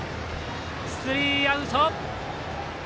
スリーアウト！